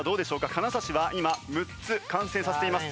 金指は今６つ完成させています。